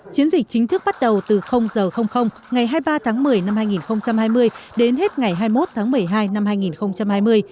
chiến dịch chính thức bắt đầu từ h ngày hai mươi ba tháng một mươi năm hai nghìn hai mươi đến hết ngày hai mươi một tháng một mươi hai năm hai nghìn hai mươi